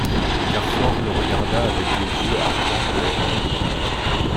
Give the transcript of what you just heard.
Carfor le regarda avec des yeux ardents de haine.